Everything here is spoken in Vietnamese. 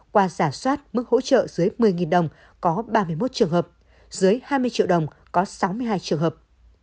qua giả soát mức hỗ trợ dưới một mươi đồng có ba mươi một trường hợp dưới hai mươi triệu đồng có sáu mươi hai trường hợp